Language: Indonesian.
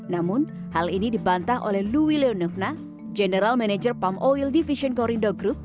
namun hal ini dibantah oleh louis leu novna general manager palm oil division korindo group